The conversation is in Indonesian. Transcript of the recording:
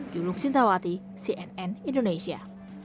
julung sintawati cnn indonesia